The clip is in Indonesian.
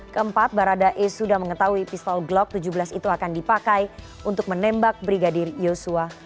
keempat baradae sudah mengetahui pistol glock tujuh belas itu akan dipakai untuk menembak brigadir yosua